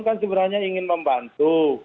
kan sebenarnya ingin membantu